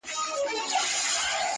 شهيد زما دی، د وېرژلو شيون زما دی٫